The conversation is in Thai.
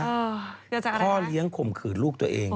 เกิดจากอะไรครับพ่อเลี้ยงข่มขืนลูกตัวเอง